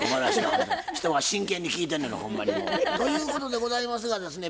人が真剣に聞いてんのにほんまにもう。ということでございますがですね